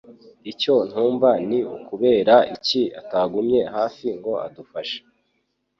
Icyo ntumva ni ukubera iki atagumye hafi ngo adufashe.